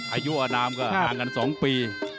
อายุอนามก็ห่างกัน๒ปี